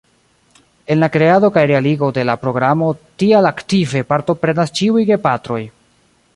En la kreado kaj realigo de la programo tial aktive partoprenas ĉiuj gepatroj.